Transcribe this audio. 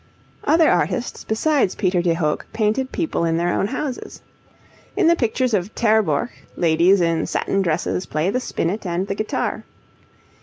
Other artists besides Peter de Hoogh painted people in their own houses. In the pictures of Terborch ladies in satin dresses play the spinet and the guitar.